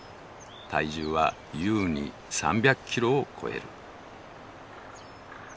体重は優に３００キロを超える。